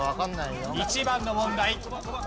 １番の問題。